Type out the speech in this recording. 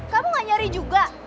kamu gak nyari juga